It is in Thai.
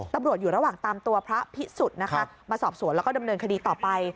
ตำรวจอยู่ระหว่างตามตัวพระพิสุทธิ์นะคะมาสอบสวนแล้วก็ดำเนินคดีต่อไป